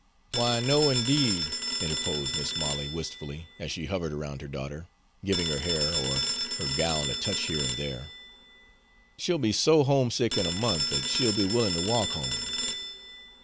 "Why, no 'ndeed," interposed Mis' Molly wistfully, as she hovered around her daughter, giving her hair or her gown a touch here and there; "she'll be so homesick in a month that she'll be willin' to walk home."